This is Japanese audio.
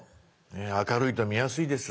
明るいと見やすいです。